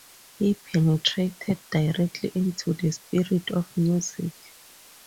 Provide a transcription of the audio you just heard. He penetrated directly into the spirit of music.